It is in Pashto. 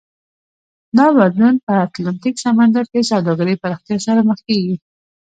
دا بدلون په اتلانتیک سمندر کې سوداګرۍ پراختیا سره مخ کېږي.